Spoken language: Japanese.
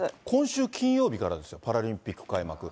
今週金曜日からですよ、パラリンピック開幕。